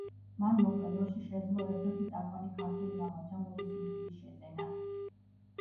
მან მოკლე დროში შესძლო ერთ–ერთი წამყვანი ქართული გამომცემლობის იმიჯის შეძენა.